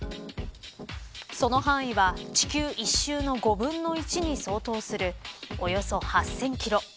その範囲は地球１周の５分の１に相当するおよそ８０００キロ。